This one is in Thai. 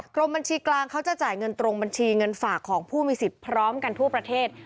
กรมบัญชีกลางเขาจะจ่ายเงินตรงบัญชีเงินฝากของผู้มีสิทธิ์พร้อมกันทั่วประเทศ